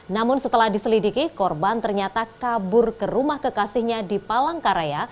namun setelah diselidiki korban ternyata kabur ke rumah kekasihnya di palangkaraya